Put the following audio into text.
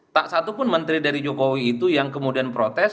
tak satu pun menteri dari jokowi itu yang kemudian protes